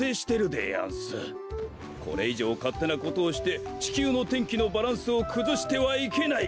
これいじょうかってなことをしてちきゅうの天気のバランスをくずしてはいけない！